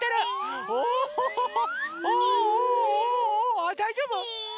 あだいじょうぶ？